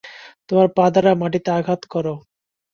তোমার পা দ্বারা মাটিতে আঘাত কর।